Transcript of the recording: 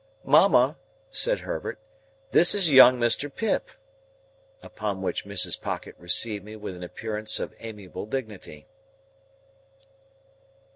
"Mamma," said Herbert, "this is young Mr. Pip." Upon which Mrs. Pocket received me with an appearance of amiable dignity.